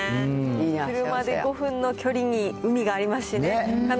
車で５分の距離に海がありますしね。